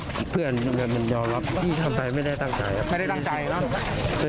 ก็เพื่อนเนี่ยมันยอมรับที่ทำไปไม่ได้ตั้งใจไม่ได้ตั้งใจหรือเปล่า